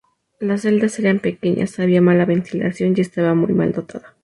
Las celdas eran pequeñas, había mala ventilación y estaba muy mal dotada.